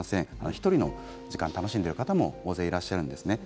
１人の時間を楽しんでいる方も大勢いらっしゃいます。